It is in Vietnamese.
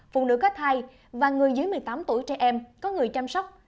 phụ nữ có thai và người dưới một mươi tám tuổi trẻ em có người chăm sóc